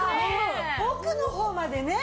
奥のほうまでね。